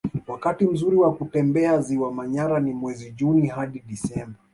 Wakati mzuri wa kutembelea ziwa manyara ni mwezi juni hadi disemba